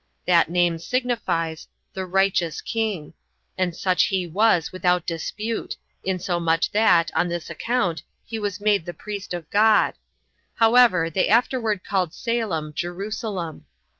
That name signifies, the righteous king: and such he was, without dispute, insomuch that, on this account, he was made the priest of God: however, they afterward called Salem Jerusalem.